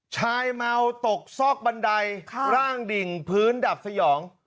ชายเมาตกซอกบันไดร่างดิ่งพื้นดับสยอง